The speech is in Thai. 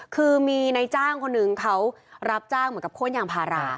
คือมีในจ้างคนนึงเขารับจ้างเหมือนกับโค้นยางพารา